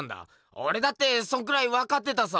オレだってそんくらいわかってたさ！